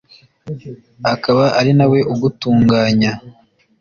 akaba ari na We ugutunganya